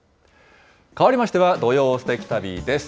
かわりましては、土曜すてき旅です。